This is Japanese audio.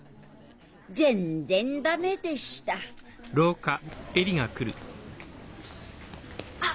全然ダメでしたあ！